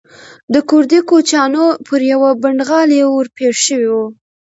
د کوردي کوچیانو پر یوه پنډغالي ورپېښ شوی و.